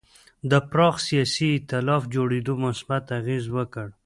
د پراخ سیاسي اېتلاف جوړېدو مثبت اغېز وکړ.